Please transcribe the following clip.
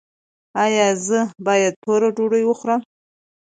ایا زه باید توره ډوډۍ وخورم؟